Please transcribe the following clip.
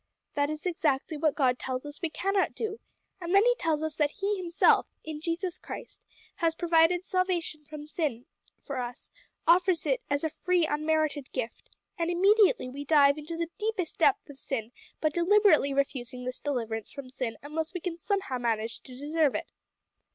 That is exactly what God tells us we cannot do, and then He tells us that He Himself, in Jesus Christ, has provided salvation from sin for us, offers it as a free unmerited gift; and immediately we dive to the deepest depth of sin by deliberately refusing this deliverance from sin unless we can somehow manage to deserve it."